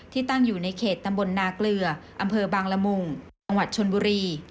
ตั้งอยู่ในเขตตำบลนาเกลืออำเภอบางละมุงจังหวัดชนบุรี